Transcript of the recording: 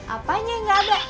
apanya nggak ada